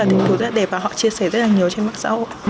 thì nó rất đẹp và họ chia sẻ rất nhiều trên mạng xã hội